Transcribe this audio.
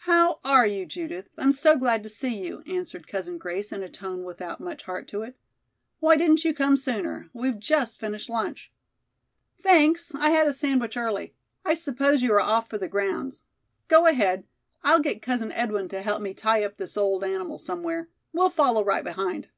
"How are you, Judith? I'm so glad to see you," answered Cousin Grace in a tone without much heart to it. "Why didn't you come sooner? We've just finished lunch." "Thanks, I had a sandwich early. I suppose you are off for the grounds. Go ahead. I'll get Cousin Edwin to help me tie up this old animal somewhere. We'll follow right behind."